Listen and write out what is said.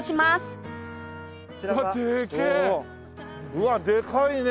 うわっでかいね。